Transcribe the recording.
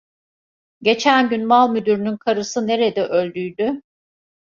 Geçen gün malmüdürünün karısı nerede öldüydü?